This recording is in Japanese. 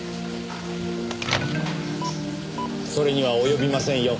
それには及びませんよ。